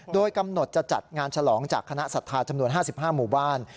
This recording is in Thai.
โดยกำหนดจะจัดงานฉลองจากคณะศรัทธาจำนวน๕๕หมู่บ้าน